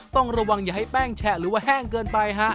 ต้องระวังอย่าให้แป้งแฉะหรือว่าแห้งเกินไปฮะ